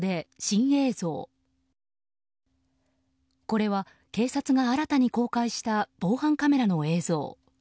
これは警察が新たに公開した防犯カメラの映像。